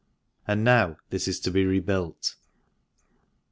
And now this is to be re built.